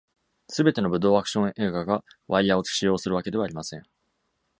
すべての武道アクション映画がワイヤーを使用するわけではありません。